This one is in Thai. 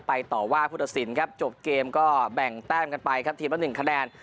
ต่อว่าผู้ตัดสินครับจบเกมก็แบ่งแต้มกันไปครับทีมละ๑คะแนน